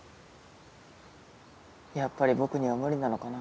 やっぱり僕には無理なのかな